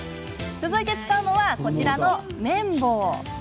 続いて、使うのはこちらの綿棒。